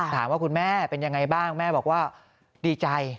คุณแม่เป็นยังไงบ้างแม่บอกว่าดีใจ